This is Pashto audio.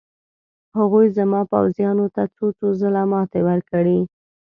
هغوی زما پوځیانو ته څو څو ځله ماتې ورکړې.